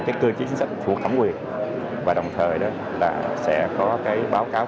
những cơ chế chính sách thuộc thẩm quyền và đồng thời là sẽ có báo cáo